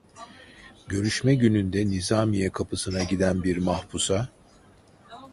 Görüşme gününde nizamiye kapısına giden bir mahpusa: